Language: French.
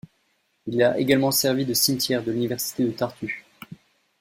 Il a également servi de cimetière de l'Université de Tartu.